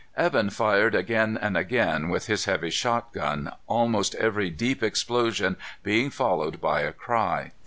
Evan fired again and again with his heavy shotgun, almost every deep explosion being followed by a cry.